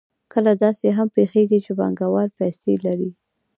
کله داسې هم پېښېږي چې پانګوال پیسې لري